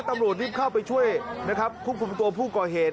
ตำรวจรีบเข้าไปช่วยนะครับควบคุมตัวผู้ก่อเหตุ